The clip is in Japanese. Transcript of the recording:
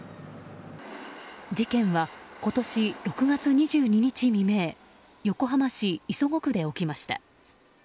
事件は今年６月２２日未明横浜市磯子区で起きました。